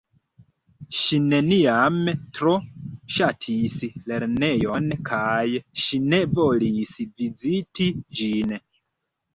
Ŝi neniam tro ŝatis lernejon kaj ŝi ne volis viziti ĝin.